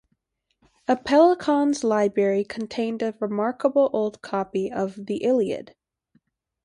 Apellicon's library contained a remarkable old copy of the "Iliad".